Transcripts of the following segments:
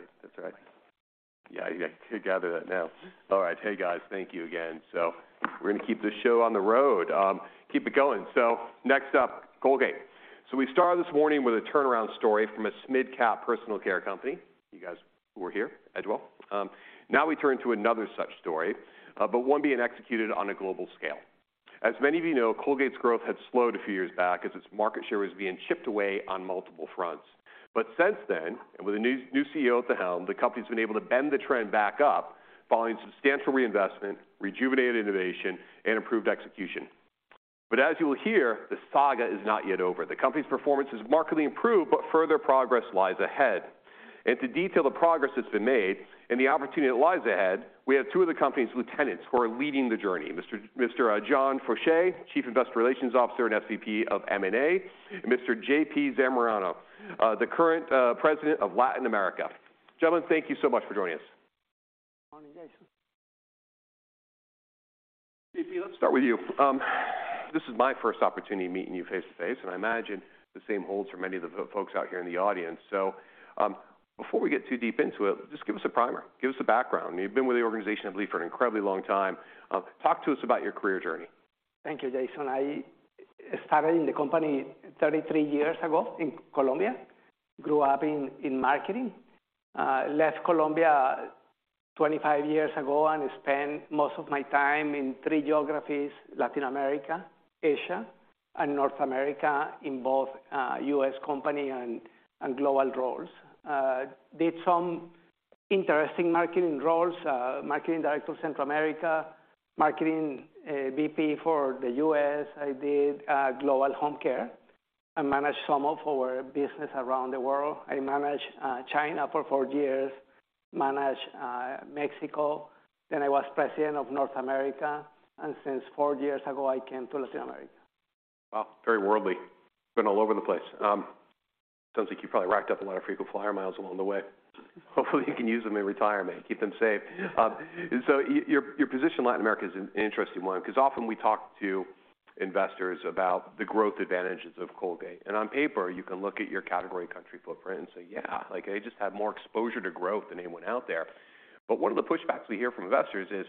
Yeah, that's right. That's right. Yeah, I could gather that now. All right. Hey, guys, thank you again. We're gonna keep this show on the road, keep it going. Next up, Colgate. We started this morning with a turnaround story from a mid-cap personal care company. You guys who were here, Edgewell. Now we turn to another such story, but one being executed on a global scale. As many of you know, Colgate's growth had slowed a few years back as its market share was being chipped away on multiple fronts. Since then, and with a new CEO at the helm, the company's been able to bend the trend back up following substantial reinvestment, rejuvenated innovation, and improved execution. As you will hear, the saga is not yet over. The company's performance has markedly improved, but further progress lies ahead. To detail the progress that's been made and the opportunity that lies ahead, we have two of the company's lieutenants who are leading the journey, Mr. John Faucher, Chief Investor Relations Officer and EVP of M&A, and Mr. JP Zamorano, the current President of Latin America. Gentlemen, thank you so much for joining us. Good morning, Jason. JP, let's start with you. This is my first opportunity meeting you face to face, and I imagine the same holds for many of the folks out here in the audience. Before we get too deep into it, just give us a primer, give us a background. You've been with the organization, I believe, for an incredibly long time. Talk to us about your career journey. Thank you, Jason. I started in the company 33 years ago in Colombia. Grew up in marketing. Left Colombia 25 years ago and spent most of my time in three geographies: Latin America, Asia, and North America, in both U.S. company and global roles. Did some interesting marketing roles, marketing director of Central America, marketing VP for the U.S. I did global home care and managed some of our business around the world. I managed China for four years, managed Mexico. I was president of North America, and since four years ago, I came to Latin America. Wow. Very worldly. Been all over the place. Sounds like you probably racked up a lot of frequent flyer miles along the way. Hopefully, you can use them in retirement. Keep them safe. Yeah. So your position in Latin America is an interesting one because often we talk to investors about the growth advantages of Colgate. On paper, you can look at your category country footprint and say, "Yeah, like, they just have more exposure to growth than anyone out there." One of the pushbacks we hear from investors is,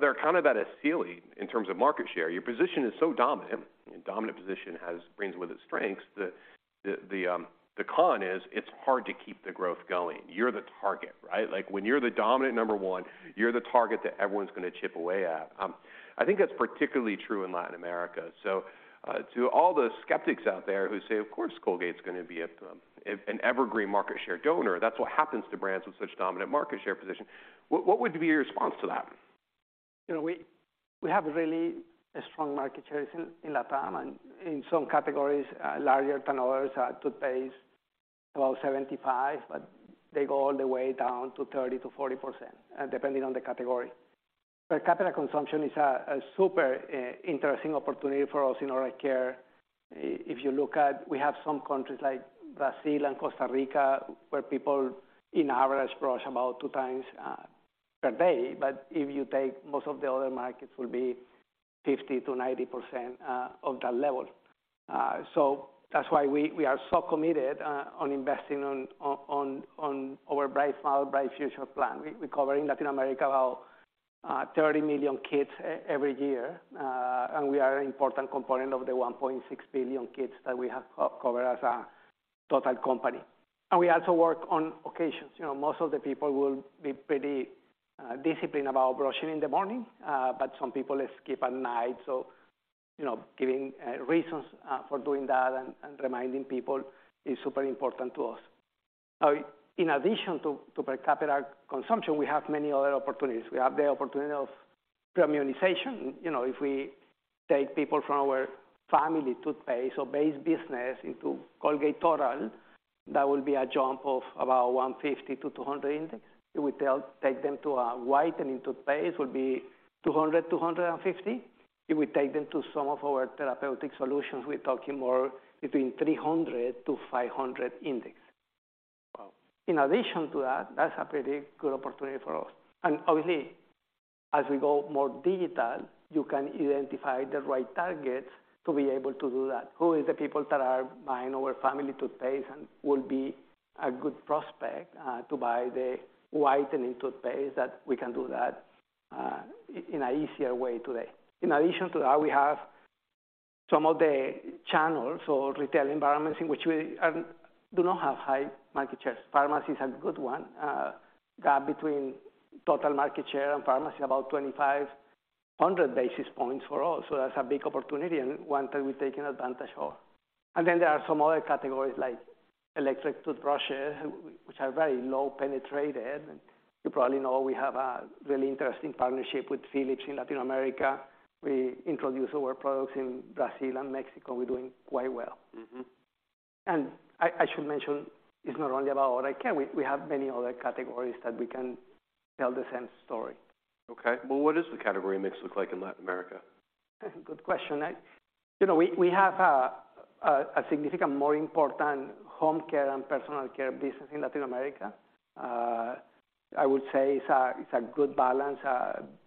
they're kind of at a ceiling in terms of market share. Your position is so dominant, and dominant position brings with it strengths. The con is it's hard to keep the growth going. You're the target, right? Like, when you're the dominant number one, you're the target that everyone's gonna chip away at. I think that's particularly true in Latin America. To all the skeptics out there who say, "Of course Colgate's going to be an evergreen market share donor, that's what happens to brands with such dominant market share position," what would be your response to that? You know, we have really strong market shares in LatAm, and in some categories, larger than others. Toothpaste, about 75%, but they go all the way down to 30%-40%, depending on the category. Per capita consumption is a super interesting opportunity for us in oral care. If you look at, we have some countries like Brazil and Costa Rica, where people in average brush about 2 times per day. If you take most of the other markets will be 50%-90% of that level. That's why we are so committed on investing on our Bright Smiles, Bright Futures plan. We cover in Latin America about 30 million kids every year. We are an important component of the 1.6 billion kids that we have co-covered as a total company. We also work on occasions. You know, most of the people will be pretty disciplined about brushing in the morning, but some people skip at night. You know, giving reasons for doing that and reminding people is super important to us. In addition to per capita consumption, we have many other opportunities. We have the opportunity of premiumization. You know, if we take people from our family toothpaste or base business into Colgate Total, that will be a jump of about 150 index-200 index. If we take them to our whitening toothpaste, it would be 200 index-250 index. If we take them to some of our therapeutic solutions, we're talking more between 300 index-500 index. Wow. In addition to that's a pretty good opportunity for us. Obviously, as we go more digital, you can identify the right targets to be able to do that. Who is the people that are buying our family toothpaste and will be a good prospect to buy the whitening toothpaste that we can do that in a easier way today. In addition to that, we have some of the channels or retail environments in which we do not have high market shares. Pharmacy is a good one. Gap between total market share and pharmacy, about 2,500 basis points for all. That's a big opportunity and one that we're taking advantage of. There are some other categories like electric toothbrushes, which are very low penetrated. You probably know we have a really interesting partnership with Philips in Latin America. We introduce our products in Brazil and Mexico. We're doing quite well. Mm-hmm. I should mention it's not only about oral care. We have many other categories that we can tell the same story. Okay. Well, what does the category mix look like in Latin America? Good question. You know, we have a significant more important home care and personal care business in Latin America. I would say it's a good balance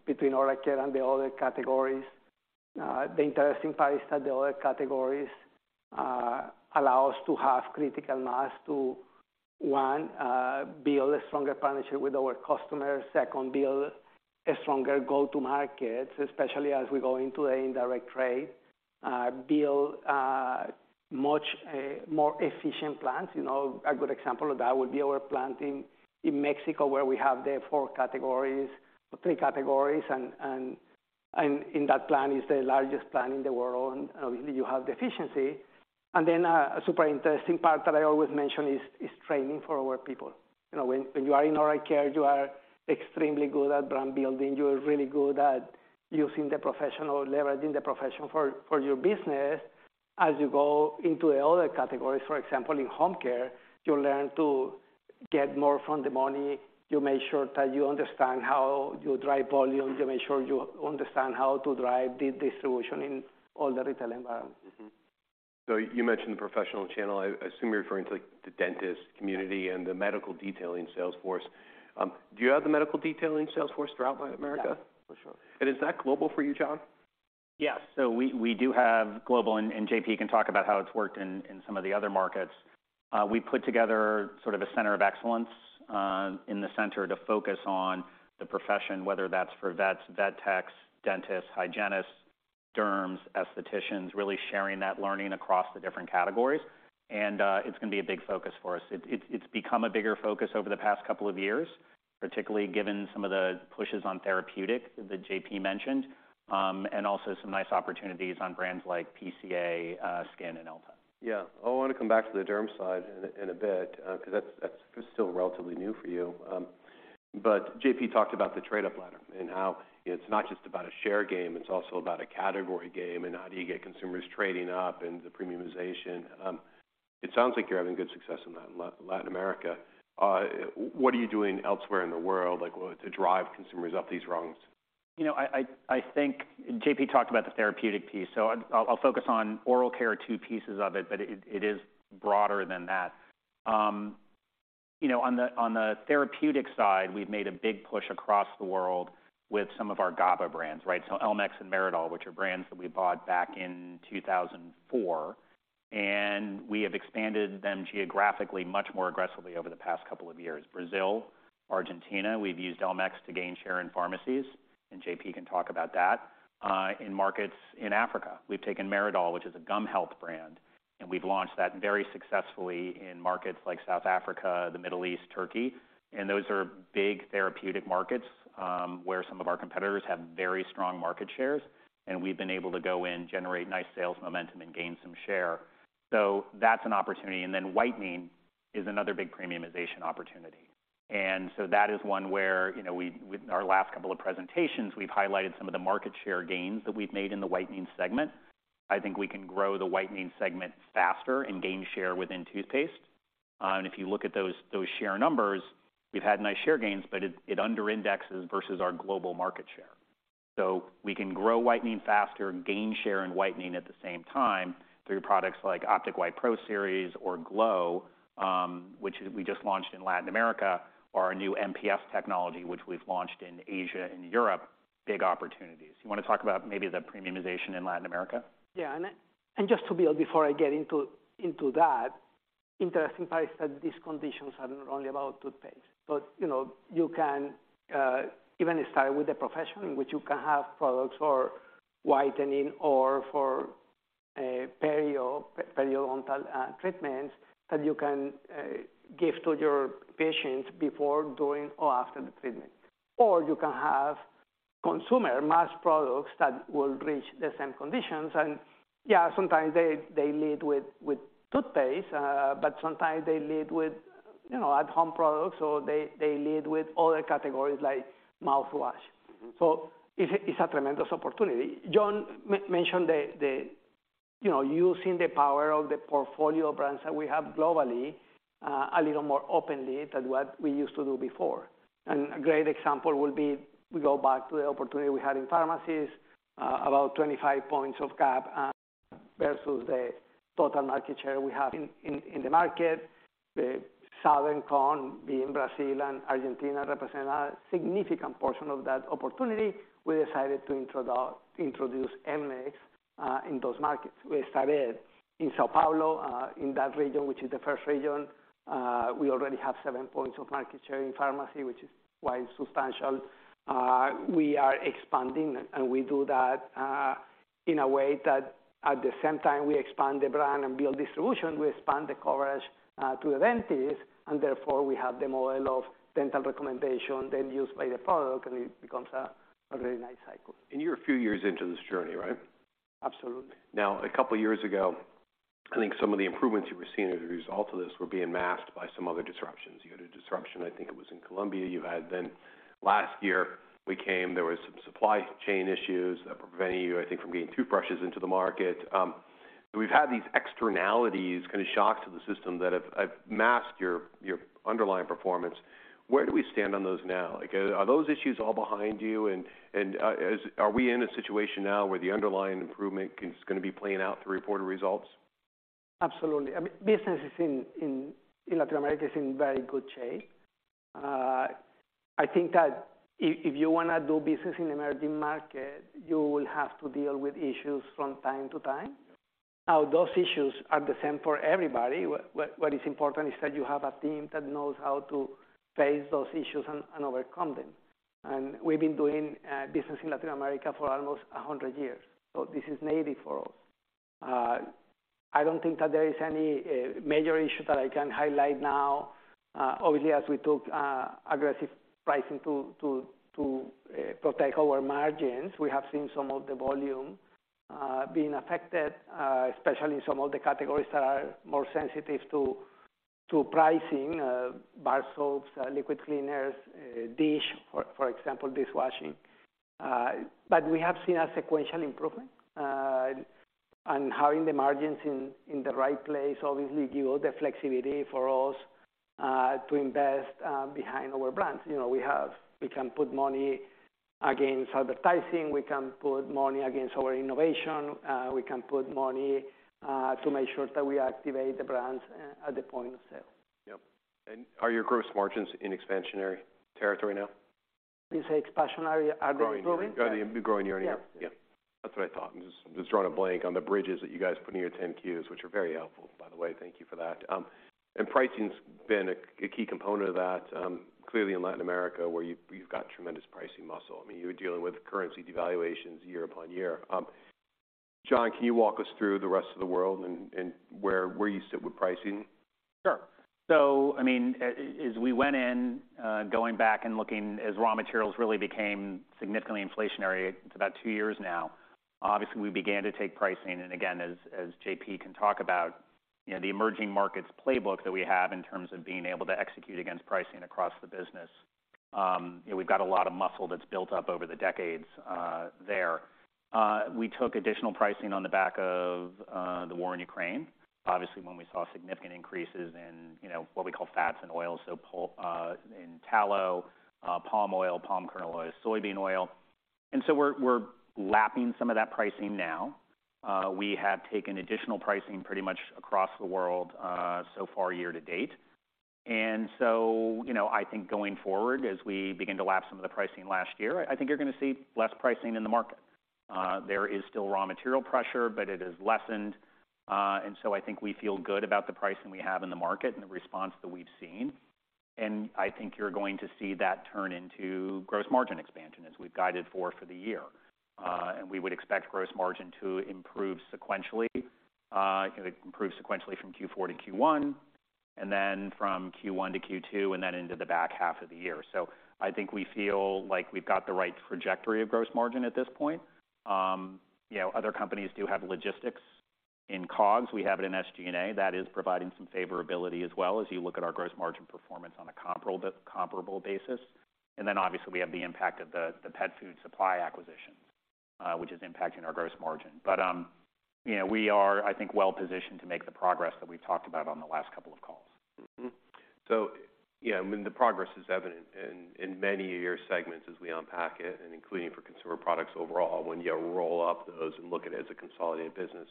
between oral care and the other categories. The interesting part is that the other categories allow us to have critical mass to, one, build a stronger partnership with our customers. Second, build a stronger go-to-market, especially as we go into the indirect trade. Build much more efficient plans. You know, a good example of that would be our plant in Mexico, where we have the four categories or three categories and in that plant, it's the largest plant in the world, and obviously, you have the efficiency. A super interesting part that I always mention is training for our people. You know, when you are in oral care, you are extremely good at brand building. You are really good at using the professional, leveraging the professional for your business. As you go into the other categories, for example, in home care, you learn to get more from the money. You make sure that you understand how you drive volume. You make sure you understand how to drive the distribution in all the retail environments. You mentioned the professional channel. I assume you're referring to, like, the dentist community and the medical detailing sales force. Do you have the medical detailing sales force throughout Latin America? Yeah, for sure. Is that global for you, John? Yes. We, we do have global, and JP can talk about how it's worked in some of the other markets. We put together sort of a center of excellence in the center to focus on the profession, whether that's for vets, vet techs, dentists, hygienists, derms, aestheticians, really sharing that learning across the different categories. It's gonna be a big focus for us. It's become a bigger focus over the past two years, particularly given some of the pushes on therapeutic that JP mentioned, and also some nice opportunities on brands like PCA Skin and Elta. Yeah. I wanna come back to the derm side in a bit, 'cause that's still relatively new for you. JP talked about the trade-up ladder and how it's not just about a share game, it's also about a category game and how do you get consumers trading up and the premiumization. It sounds like you're having good success in Latin America. What are you doing elsewhere in the world, like, to drive consumers up these rungs? You know, I think JP talked about the therapeutic piece, so I'll focus on oral care, two pieces of it, but it is broader than that. You know, on the therapeutic side, we've made a big push across the world with some of our GABA brands, right? elmex and meridol, which are brands that we bought back in 2004. We have expanded them geographically much more aggressively over the past couple of years. Brazil, Argentina, we've used elmex to gain share in pharmacies, JP can talk about that. In markets in Africa, we've taken meridol, which is a gum health brand, and we've launched that very successfully in markets like South Africa, the Middle East, Turkey, and those are big therapeutic markets, where some of our competitors have very strong market shares, and we've been able to go in, generate nice sales momentum, and gain some share. That's an opportunity. Then whitening is another big premiumization opportunity. That is one where, you know, we with our last couple of presentations, we've highlighted some of the market share gains that we've made in the whitening segment. I think we can grow the whitening segment faster and gain share within toothpaste. If you look at those share numbers, we've had nice share gains, but it underindexes versus our global market share. We can grow whitening faster and gain share in whitening at the same time through products like Optic White Pro Series or Glow, which we just launched in Latin America or our new MPS technology, which we've launched in Asia and Europe. Big opportunities. You wanna talk about maybe the premiumization in Latin America? Just to build before I get into that interesting part is that these conditions are not only about toothpaste. You know, you can even start with the professional, in which you can have products for whitening or for periodontal treatments that you can give to your patients before, during, or after the treatment. You can have consumer mass products that will reach the same conditions. Yeah, sometimes they lead with toothpaste, sometimes they lead with, you know, at home products, or they lead with other categories like mouthwash. Mm-hmm. It's a tremendous opportunity. John mentioned, you know, using the power of the portfolio brands that we have globally, a little more openly than what we used to do before. A great example will be, we go back to the opportunity we had in pharmacies, about 25 points of gap versus the total market share we have in the market. The Southern Cone, being Brazil and Argentina, represent a significant portion of that opportunity. We decided to introduce elmex in those markets. We started in São Paulo in that region, which is the first region. We already have seven points of market share in pharmacy, which is quite substantial. We are expanding, and we do that in a way that at the same time we expand the brand and build distribution, we expand the coverage to the dentist, and therefore, we have the model of dental recommendation then used by the product, and it becomes a very nice cycle. You're a few years into this journey, right? Absolutely. A couple years ago, I think some of the improvements you were seeing as a result of this were being masked by some other disruptions. You had a disruption, I think it was in Colombia. You had then last year, we came, there was some supply chain issues, preventing you, I think, from getting toothbrushes into the market. We've had these externalities kind of shock to the system that have masked your underlying performance. Where do we stand on those now? Like, are those issues all behind you? Are we in a situation now where the underlying improvement is gonna be playing out through reported results? Absolutely. I mean, business in Latin America is in very good shape. I think that if you wanna do business in emerging market, you will have to deal with issues from time to time. Those issues are the same for everybody. What is important is that you have a team that knows how to face those issues and overcome them. We've been doing business in Latin America for almost 100 years, so this is native for us. I don't think that there is any major issue that I can highlight now. As we took aggressive pricing to protect our margins, we have seen some of the volume being affected, especially in some of the categories that are more sensitive to pricing. Bar soaps, liquid cleaners, dish, for example, dishwashing. We have seen a sequential improvement, and having the margins in the right place obviously give all the flexibility for us to invest behind our brands. You know, we can put money against advertising. We can put money against our innovation. We can put money to make sure that we activate the brands at the point of sale. Yep. Are your gross margins in expansionary territory now? You say expansionary? Are they improving? Growing year. Are they growing year-on-year? Yes. Yeah. That's what I thought. I'm just drawing a blank on the bridges that you guys put in your 10-Qs, which are very helpful by the way. Thank you for that. Pricing's been a key component of that, clearly in Latin America where you've got tremendous pricing muscle. I mean, you're dealing with currency devaluations year upon year. John, can you walk us through the rest of the world and where you sit with pricing? Sure. I mean, as we went in, going back and looking as raw materials really became significantly inflationary, it's about two years now, obviously we began to take pricing. Again, as JP can talk about, you know, the emerging markets playbook that we have in terms of being able to execute against pricing across the business, you know, we've got a lot of muscle that's built up over the decades there. We took additional pricing on the back of the war in Ukraine. Obviously, when we saw significant increases in, you know, what we call fats and oils, so in tallow, palm oil, palm kernel oil, soybean oil. We're lapping some of that pricing now. We have taken additional pricing pretty much across the world so far year-to-date. you know, I think going forward, as we begin to lap some of the pricing last year, I think you're gonna see less pricing in the market. There is still raw material pressure, but it has lessened. I think we feel good about the pricing we have in the market and the response that we've seen. I think you're going to see that turn into gross margin expansion as we've guided for the year. We would expect gross margin to improve sequentially, it improved sequentially from Q4 to Q1, and then from Q1 to Q2, and then into the back half of the year. I think we feel like we've got the right trajectory of gross margin at this point. you know, other companies do have logistics in COGS. We have it in SG&A. That is providing some favorability as well as you look at our gross margin performance on a comparable basis. Obviously we have the impact of the pet food supply acquisitions, which is impacting our gross margin. You know, we are, I think, well positioned to make the progress that we've talked about on the last couple of calls. Yeah, I mean, the progress is evident in many of your segments as we unpack it, and including for consumer products overall when you roll up those and look at it as a consolidated business.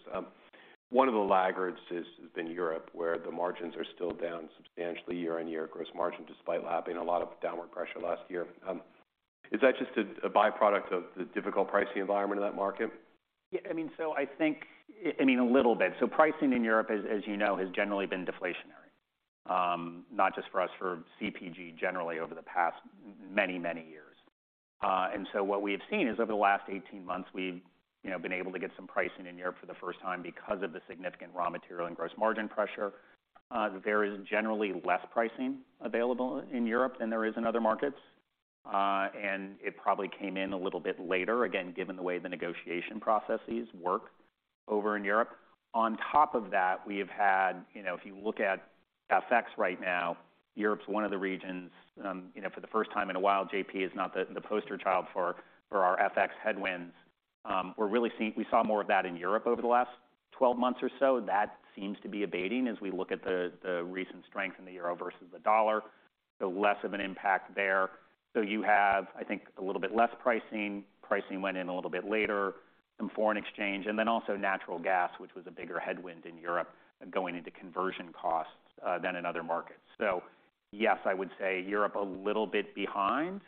One of the laggards has been Europe, where the margins are still down substantially year-on-year gross margin, despite lapping a lot of downward pressure last year. Is that just a byproduct of the difficult pricing environment in that market? I mean, a little bit. Pricing in Europe as you know, has generally been deflationary, not just for us, for CPG generally over the past many years. What we have seen is over the last 18 months we've, you know, been able to get some pricing in Europe for the first time because of the significant raw material and gross margin pressure. There is generally less pricing available in Europe than there is in other markets. It probably came in a little bit later, again, given the way the negotiation processes work over in Europe. On top of that, we have had, you know, if you look at FX right now, Europe's one of the regions, you know, for the first time in a while, JP is not the poster child for our FX headwinds. We saw more of that in Europe over the last 12 months or so. That seems to be abating as we look at the recent strength in the euro versus the dollar, so less of an impact there. You have, I think, a little bit less pricing. Pricing went in a little bit later, some foreign exchange, and then also natural gas, which was a bigger headwind in Europe going into conversion costs than in other markets. Yes, I would say Europe a little bit behind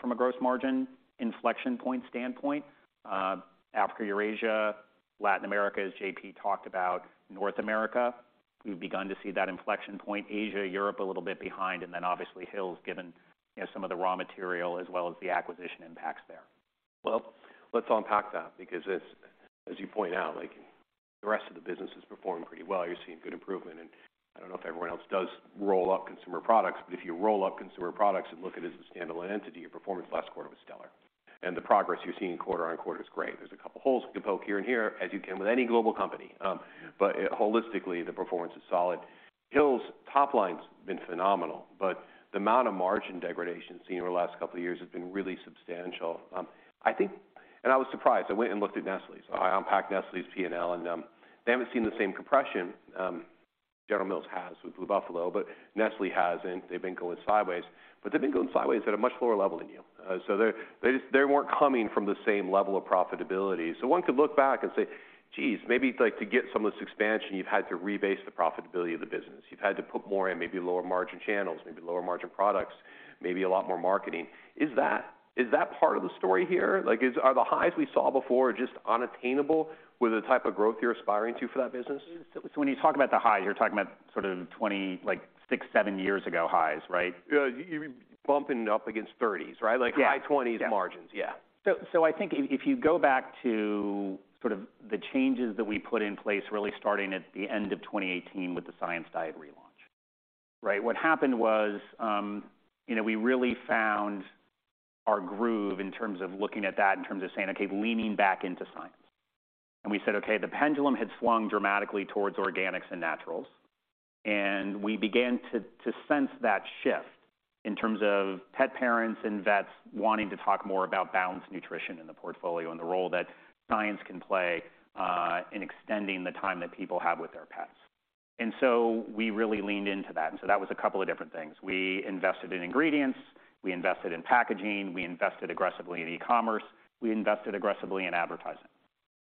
from a gross margin inflection point standpoint. Africa, Eurasia, Latin America, as JP talked about, North America, we've begun to see that inflection point. Asia, Europe a little bit behind, and then obviously Hill's given, you know, some of the raw material as well as the acquisition impacts there. Well, let's unpack that because as you point out, like the rest of the business is performing pretty well. You're seeing good improvement, and I don't know if everyone else does roll up consumer products, but if you roll up consumer products and look at it as a standalone entity, your performance last quarter was stellar. The progress you're seeing quarter-on-quarter is great. There's a couple holes we could poke here and here, as you can with any global company. But holistically, the performance is solid. Hill's top line's been phenomenal, but the amount of margin degradation seen over the last couple of years has been really substantial. I was surprised. I went and looked at Nestlé's. I unpacked Nestlé's P&L and they haven't seen the same compression. General Mills has with Blue Buffalo, but Nestlé hasn't. They've been going sideways, but they've been going sideways at a much lower level than you. They weren't coming from the same level of profitability. One could look back and say, "Geez, maybe, like, to get some of this expansion, you've had to rebase the profitability of the business. You've had to put more in maybe lower margin channels, maybe lower margin products, maybe a lot more marketing." Is that part of the story here? Like, are the highs we saw before just unattainable with the type of growth you're aspiring to for that business? When you talk about the high, you're talking about sort of six, seven years ago highs, right? You're bumping up against 30s, right? Yeah. Like high 20s margins. Yeah. Yeah. I think if you go back to sort of the changes that we put in place, really starting at the end of 2018 with the Science Diet relaunch, right? What happened was, you know, we really found our groove in terms of looking at that, in terms of saying, "Okay, leaning back into science." We said, "Okay, the pendulum had swung dramatically towards organics and naturals," and we began to sense that shift in terms of pet parents and vets wanting to talk more about balanced nutrition in the portfolio and the role that science can play in extending the time that people have with their pets. We really leaned into that, and so that was a couple of different things. We invested in ingredients, we invested in packaging, we invested aggressively in e-commerce, we invested aggressively in advertising,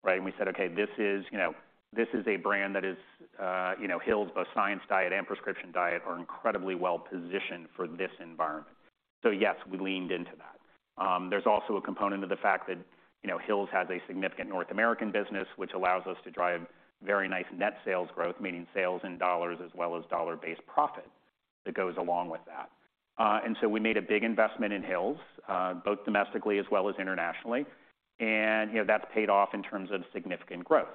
right? We said, "Okay, you know, this is a brand that is, you know, Hill's both Science Diet and Prescription Diet are incredibly well-positioned for this environment." Yes, we leaned into that. There's also a component of the fact that, you know, Hill's has a significant North American business, which allows us to drive very nice net sales growth, meaning sales in dollars as well as dollar-based profit that goes along with that. We made a big investment in Hill's, both domestically as well as internationally, and, you know, that's paid off in terms of significant growth.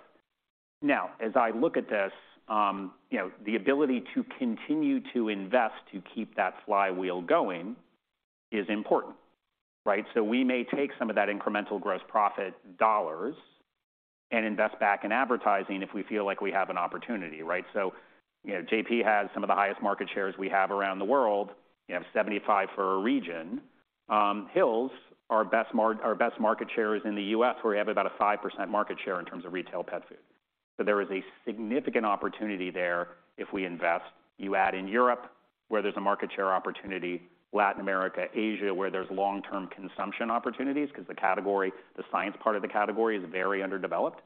As I look at this, you know, the ability to continue to invest to keep that flywheel going is important, right? We may take some of that incremental gross profit dollars and invest back in advertising if we feel like we have an opportunity, right? You know, JP has some of the highest market shares we have around the world. We have 75 for a region. Hill's, our best market share is in the U.S., where we have about a 5% market share in terms of retail pet food. There is a significant opportunity there if we invest. You add in Europe, where there's a market share opportunity, Latin America, Asia, where there's long-term consumption opportunities because the category, the science part of the category, is very underdeveloped.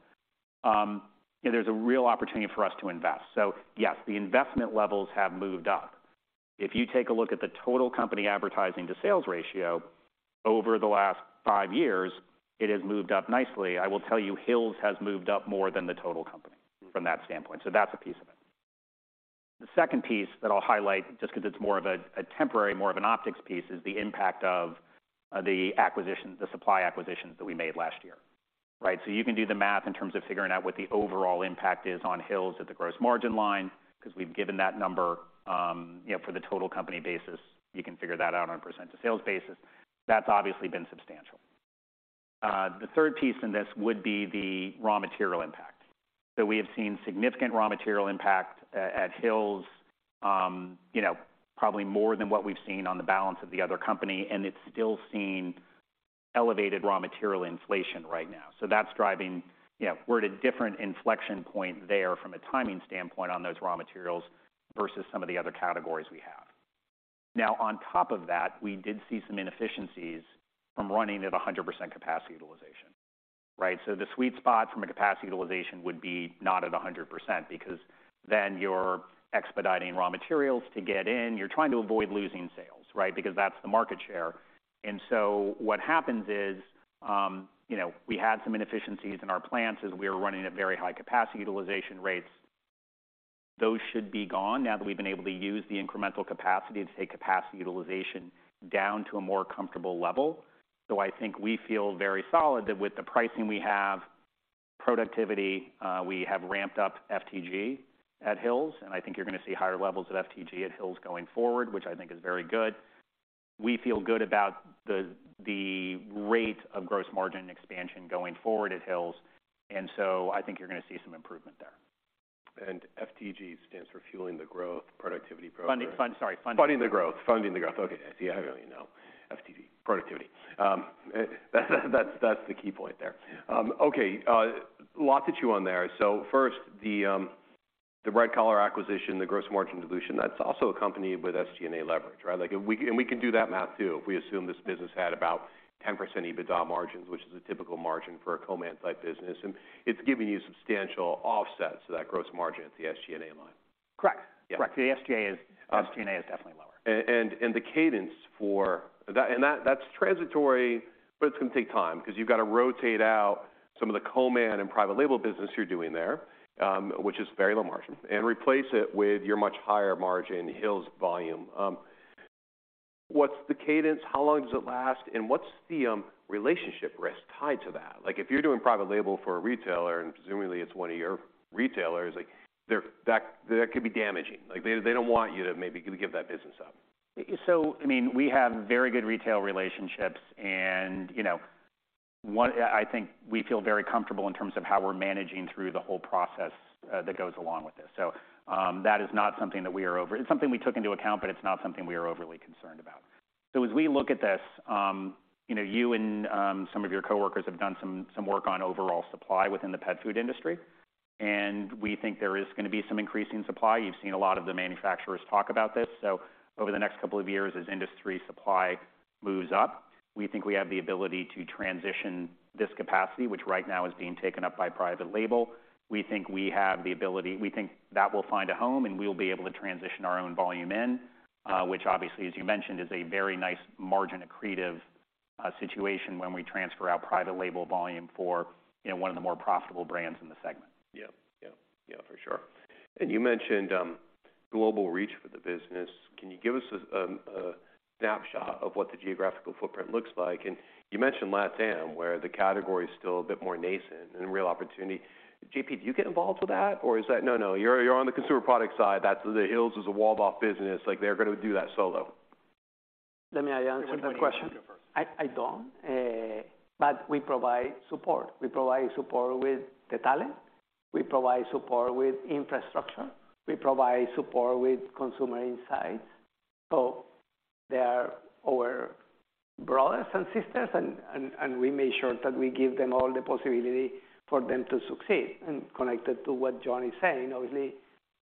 You know, there's a real opportunity for us to invest. Yes, the investment levels have moved up. If you take a look at the total company advertising to sales ratio over the last five years, it has moved up nicely. I will tell you, Hill's has moved up more than the total company from that standpoint. That's a piece of it. The second piece that I'll highlight, just 'cause it's more of a temporary, more of an optics piece, is the impact of the acquisitions, the supply acquisitions that we made last year, right? You can do the math in terms of figuring out what the overall impact is on Hill's at the gross margin line, 'cause we've given that number, you know, for the total company basis. You can figure that out on a percent to sales basis. That's obviously been substantial. The third piece in this would be the raw material impact. We have seen significant raw material impact at Hill's, you know, probably more than what we've seen on the balance of the other company, and it's still seeing elevated raw material inflation right now. You know, we're at a different inflection point there from a timing standpoint on those raw materials versus some of the other categories we have. On top of that, we did see some inefficiencies from running at 100% capacity utilization, right? The sweet spot from a capacity utilization would be not at 100%, because then you're expediting raw materials to get in. You're trying to avoid losing sales, right? That's the market share. What happens is, you know, we had some inefficiencies in our plants as we were running at very high capacity utilization rates. Those should be gone now that we've been able to use the incremental capacity to take capacity utilization down to a more comfortable level. I think we feel very solid that with the pricing we have, productivity, we have ramped up FTG at Hill's, and I think you're gonna see higher levels of FTG at Hill's going forward, which I think is very good. We feel good about the rate of gross margin expansion going forward at Hill's. I think you're gonna see some improvement there. FTG stands for Fueling the Growth productivity program. Funding. Sorry, Funding the Growth. Funding the Growth. Okay. Yeah, I didn't really know. FTG, productivity. That's the key point there. Okay. Lot to chew on there. First, the Red Collar acquisition, the gross margin dilution, that's also accompanied with SG&A leverage, right? Like, and we can do that math too if we assume this business had about 10% EBITDA margins, which is a typical margin for a co-man-type business, and it's giving you substantial offsets to that gross margin at the SG&A line. Correct. Yeah. Correct. The SG&A is definitely lower. The cadence for... That, that's transitory, but it's gonna take time 'cause you've got to rotate out some of the co-man and private label business you're doing there, which is very low margin, and replace it with your much higher margin Hill's volume. What's the cadence? How long does it last? What's the relationship risk tied to that? Like, if you're doing private label for a retailer, and presumably it's one of your retailers, like, they're, that could be damaging. Like, they don't want you to maybe give that business up. I mean, we have very good retail relationships and, you know, one, I think we feel very comfortable in terms of how we're managing through the whole process that goes along with this. That is not something that we are overly concerned about. As we look at this, you know, you and some of your coworkers have done some work on overall supply within the pet food industry, and we think there is gonna be some increasing supply. You've seen a lot of the manufacturers talk about this. Over the next two years, as industry supply moves up, we think we have the ability to transition this capacity, which right now is being taken up by private label. We think that will find a home, and we'll be able to transition our own volume in, which obviously, as you mentioned, is a very nice margin accretive situation when we transfer our private label volume for, you know, one of the more profitable brands in the segment. Yeah. Yeah. Yeah, for sure. You mentioned global reach for the business. Can you give us a snapshot of what the geographical footprint looks like? You mentioned LatAm, where the category is still a bit more nascent and a real opportunity. JP, do you get involved with that, or is that, "No, no, you're on the consumer product side. Hill's is a walled off business, like, they're gonna do that solo"? Let me answer that question. You go first. I don't. We provide support. We provide support with the talent, we provide support with infrastructure, we provide support with consumer insights. They are our brothers and sisters and we make sure that we give them all the possibility for them to succeed. Connected to what John is saying, obviously,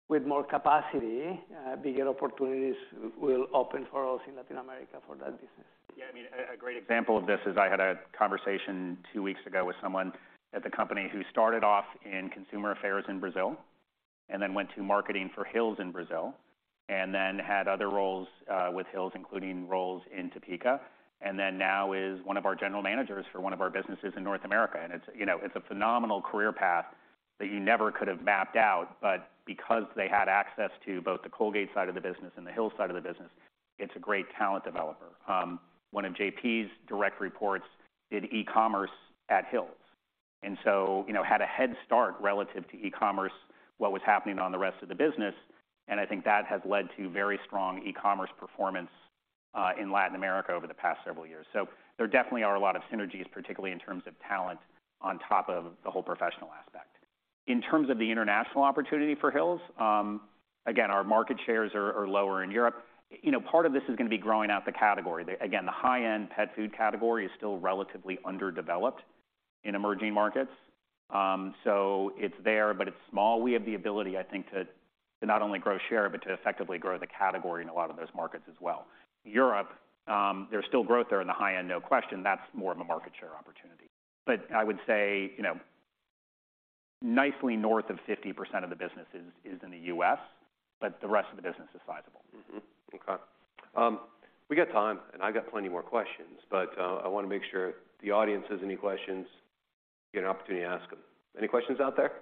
with more capacity, bigger opportunities will open for us in Latin America for that business. Yeah, I mean, a great example of this is I had a conversation two weeks ago with someone at the company who started off in consumer affairs in Brazil and then went to marketing for Hill's in Brazil, and then had other roles with Hill's, including roles in Topeka, and then now is one of our general managers for one of our businesses in North America. It's, you know, it's a phenomenal career path that you never could have mapped out. Because they had access to both the Colgate side of the business and the Hill's side of the business, it's a great talent developer. One of JP's direct reports did e-commerce at Hill's, and so, you know, had a head start relative to e-commerce, what was happening on the rest of the business, and I think that has led to very strong e-commerce performance in Latin America over the past several years. There definitely are a lot of synergies, particularly in terms of talent on top of the whole professional aspect. In terms of the international opportunity for Hill's, again, our market shares are lower in Europe. You know, part of this is gonna be growing out the category. Again, the high-end pet food category is still relatively underdeveloped in emerging markets. It's there, but it's small. We have the ability, I think, to not only grow share, but to effectively grow the category in a lot of those markets as well. Europe, there's still growth there in the high end, no question. That's more of a market share opportunity. I would say, you know, nicely north of 50% of the business is in the U.S., the rest of the business is sizable. Okay. We got time, I got plenty more questions, but I wanna make sure the audience has any questions, get an opportunity to ask them. Any questions out there?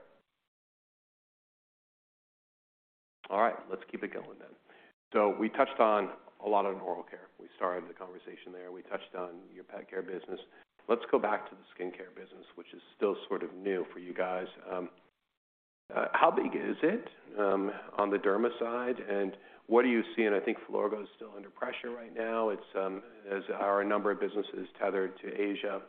All right, let's keep it going then. We touched on a lot of oral care. We started the conversation there. We touched on your pet care business. Let's go back to the skincare business, which is still sort of new for you guys. How big is it on the derma side, and what are you seeing? I think Filorga is still under pressure right now. It's, as are a number of businesses tethered to Asia.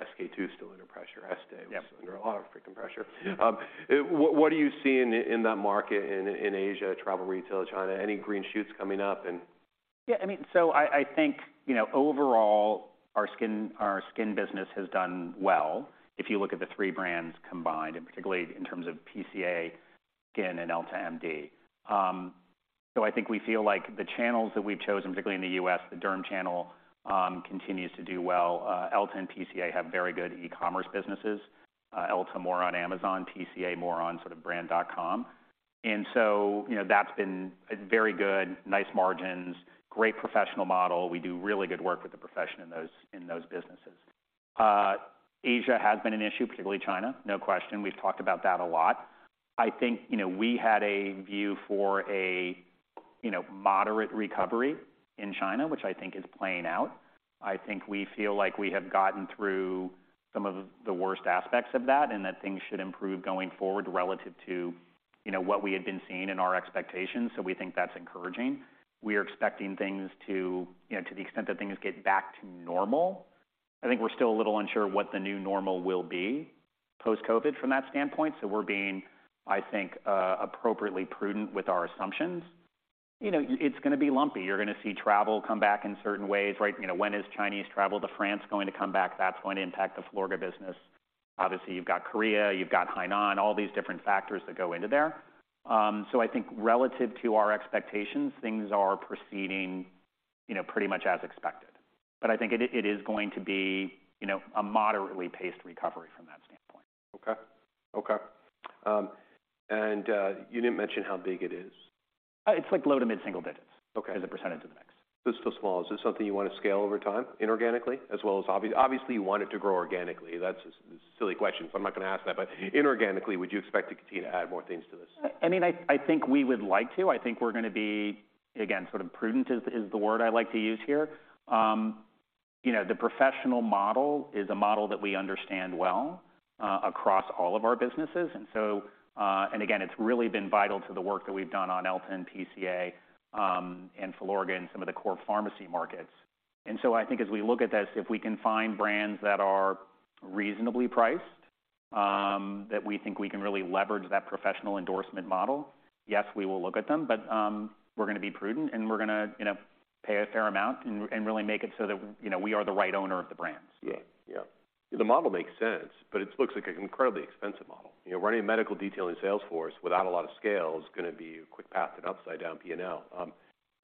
SK-II is still under pressure. Yep. was under a lot of freaking pressure. Yeah. What are you seeing in that market in Asia, travel, retail, China? Any green shoots coming up? I mean, so I think, you know, overall our skin business has done well, if you look at the three brands combined, and particularly in terms of PCA Skin and EltaMD. I think we feel like the channels that we've chosen, particularly in the U.S., the derm channel, continues to do well. Elta and PCA have very good e-commerce businesses, Elta more on Amazon, PCA more on sort of brand.com. You know, that's been very good, nice margins, great professional model. We do really good work with the profession in those businesses. Asia has been an issue, particularly China. No question. We've talked about that a lot. I think, you know, we had a view for a, you know, moderate recovery in China, which I think is playing out. I think we feel like we have gotten through some of the worst aspects of that and that things should improve going forward relative to, you know, what we had been seeing in our expectations. We think that's encouraging. We are expecting things to, you know, to the extent that things get back to normal. I think we're still a little unsure what the new normal will be post-COVID from that standpoint. We're being, I think, appropriately prudent with our assumptions. You know, it's gonna be lumpy. You're gonna see travel come back in certain ways, right? You know, when is Chinese travel to France going to come back? That's going to impact the Filorga business. Obviously, you've got Korea, you've got Hainan, all these different factors that go into there. I think relative to our expectations, things are proceeding, you know, pretty much as expected. I think it is going to be, you know, a moderately paced recovery from that standpoint. Okay. Okay. You didn't mention how big it is. It's like low to mid-single digits. Okay. as a percentage of the mix. Still small. Is this something you wanna scale over time inorganically as well as obviously you want it to grow organically? That's a silly question, so I'm not gonna ask that. Inorganically, would you expect to continue to add more things to this? I mean, I think we would like to. I think we're gonna be, again, sort of prudent is the word I like to use here. You know, the professional model is a model that we understand well, across all of our businesses. And again, it's really been vital to the work that we've done on Elta and PCA, and Filorga and some of the core pharmacy markets. I think as we look at this, if we can find brands that are reasonably priced that we think we can really leverage that professional endorsement model. Yes, we will look at them, but, we're gonna be prudent, and we're gonna, you know, pay a fair amount and really make it so that, you know, we are the right owner of the brands. Yeah. Yeah. The model makes sense, but it looks like an incredibly expensive model. You know, running a medical detailing sales force without a lot of scale is gonna be a quick path to an upside-down P&L.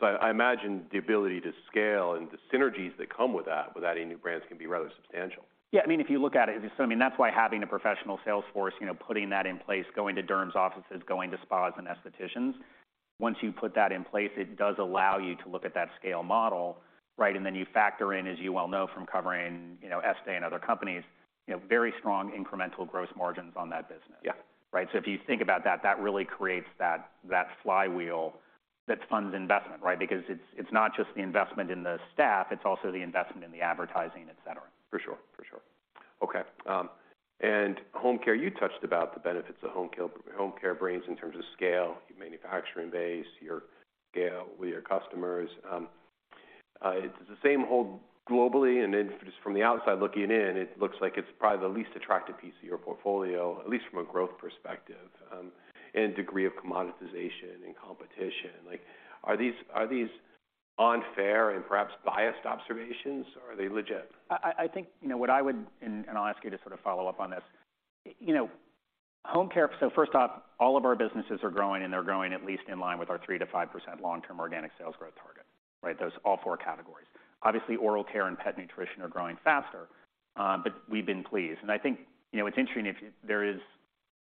I imagine the ability to scale and the synergies that come with that, with adding new brands, can be rather substantial. Yeah, I mean, if you look at it, I mean, that's why having a professional sales force, you know, putting that in place, going to derms' offices, going to spas and aestheticians, once you put that in place, it does allow you to look at that scale model, right? You factor in, as you well know from covering, you know, Estée and other companies, you know, very strong incremental gross margins on that business. Yeah. Right? If you think about that, really creates that flywheel that funds investment, right? Because it's not just the investment in the staff, it's also the investment in the advertising, et cetera. For sure. For sure. Okay, home care, you touched about the benefits of home care brands in terms of scale, your manufacturing base, your scale with your customers. Does the same hold globally? Just from the outside looking in, it looks like it's probably the least attractive piece of your portfolio, at least from a growth perspective, and degree of commoditization and competition. Like, are these unfair and perhaps biased observations, or are they legit? I think, you know, I'll ask you to sort of follow up on this. Home care, so first off, all of our businesses are growing, and they're growing at least in line with our 3%-5% long-term organic sales growth target, right? Those all four categories. Obviously, oral care and pet nutrition are growing faster, but we've been pleased. I think, you know, it's interesting, if there is,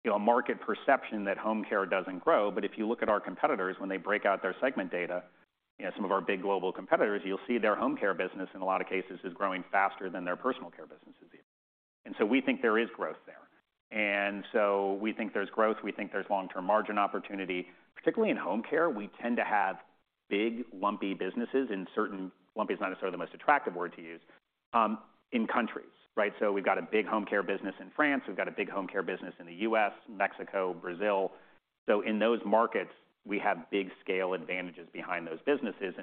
you know, a market perception that home care doesn't grow, but if you look at our competitors, when they break out their segment data, you know, some of our big global competitors, you'll see their home care business, in a lot of cases, is growing faster than their personal care businesses even. We think there is growth there. We think there's growth. We think there's long-term margin opportunity, particularly in home care. We tend to have big, lumpy businesses. Lumpy is not necessarily the most attractive word to use in countries, right? We've got a big home care business in France. We've got a big home care business in the US, Mexico, Brazil. In those markets, we have big scale advantages behind those businesses.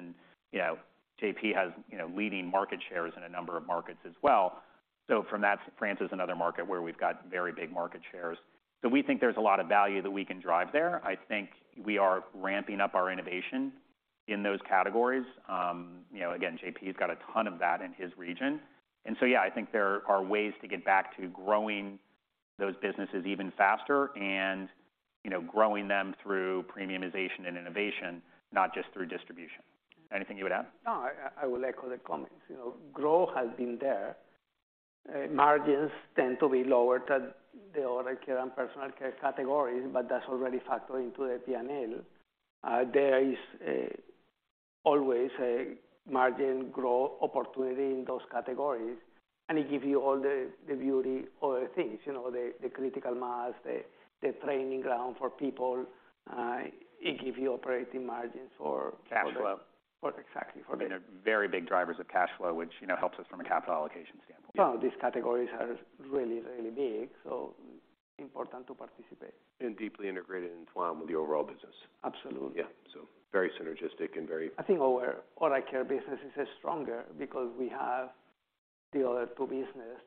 You know, JP has, you know, leading market shares in a number of markets as well. From that, France is another market where we've got very big market shares. We think there's a lot of value that we can drive there. I think we are ramping up our innovation in those categories. You know, again, JP has got a ton of that in his region. Yeah, I think there are ways to get back to growing those businesses even faster and, you know, growing them through premiumization and innovation, not just through distribution. Anything you would add? No, I will echo the comments. You know, growth has been there. Margins tend to be lower than the oral care and personal care categories, but that's already factored into the P&L. There is always a margin growth opportunity in those categories, and it give you all the beauty, all the things, you know, the critical mass, the training ground for people. It give you operating margins for. Cash flow. Exactly. For that. I mean, they're very big drivers of cash flow, which, you know, helps us from a capital allocation standpoint. Well, these categories are really, really big, so important to participate. Deeply integrated and entwined with the overall business. Absolutely. Yeah, very synergistic. I think our oral care business is stronger because we have the other two.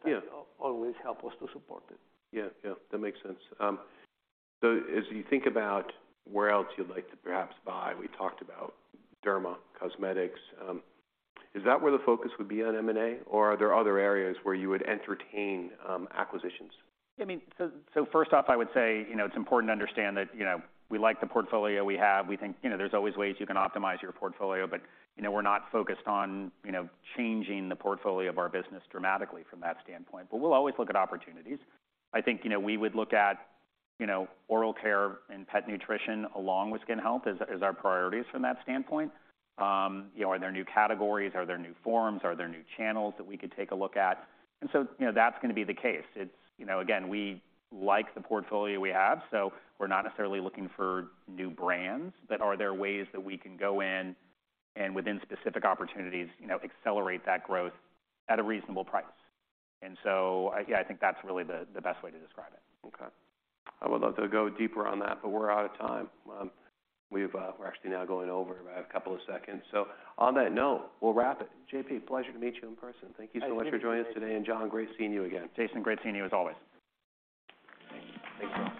Yeah ...that always help us to support it. Yeah. Yeah, that makes sense. As you think about where else you'd like to perhaps buy, we talked about derma, cosmetics. Is that where the focus would be on M&A, or are there other areas where you would entertain acquisitions? I mean, so first off, I would say, you know, it's important to understand that, you know, we like the portfolio we have. We think, you know, there's always ways you can optimize your portfolio, but, you know, we're not focused on, you know, changing the portfolio of our business dramatically from that standpoint, but we'll always look at opportunities. I think, you know, we would look at, you know, oral care and pet nutrition along with skin health as our priorities from that standpoint. You know, are there new categories? Are there new forms? Are there new channels that we could take a look at? You know, that's gonna be the case. It's, you know, again, we like the portfolio we have, so we're not necessarily looking for new brands. Are there ways that we can go in and, within specific opportunities, you know, accelerate that growth at a reasonable price? Yeah, I think that's really the best way to describe it. Okay. I would love to go deeper on that. We're out of time. We're actually now going over by a couple of seconds. On that note, we'll wrap it. JP, pleasure to meet you in person. Thank you so much for joining us today. John, great seeing you again. Jason, great seeing you as always. Thank you. Thank you.